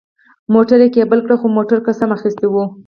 موټر یې کېبل کړ، خو موټر قسم اخیستی و.